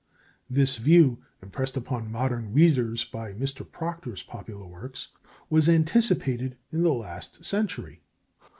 This view, impressed upon modern readers by Mr. Proctor's popular works, was anticipated in the last century.